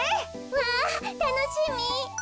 わあたのしみ。